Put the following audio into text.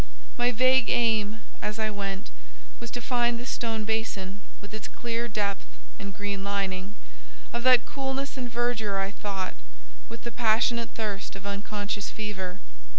My vague aim, as I went, was to find the stone basin, with its clear depth and green lining: of that coolness and verdure I thought, with the passionate thirst of unconscious fever.